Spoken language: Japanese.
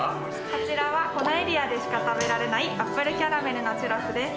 こちらはこのエリアでしか食べられないアップルキャラメルのチュロスです。